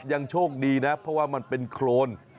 ยังโชคดีนะเพราะว่ามันเป็นโครน